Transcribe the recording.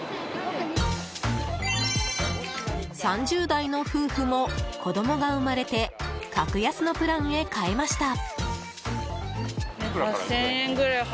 ３０代の夫婦も子供が生まれて格安のプランへ変えました。